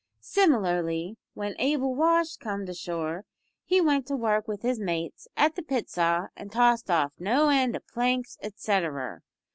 Similarly, w'en Abel Welsh comed ashore he went to work with his mates at the pit saw an' tossed off no end o' planks, etceterer.